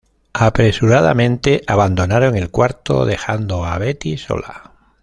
Apresuradamente abandonaron el cuarto, dejando a Betty sola.